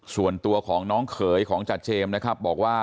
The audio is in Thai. ส่วนตัวของน้องเขยของจาเจมส์นะครับบอกว่า